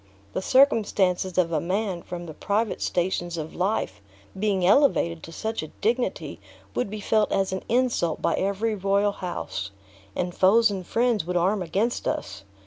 The circumstances of a man from the private stations of life being elevated to such a dignity would be felt as an insult by every royal house, and foes and friends would arm against us.